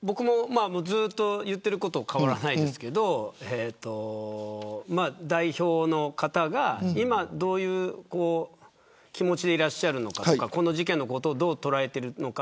ずっと言っていることは変わらないですけど代表の方が今どういう気持ちでいるのかこの事件のことをどう捉えているのか。